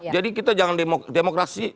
jadi kita jangan demokrasi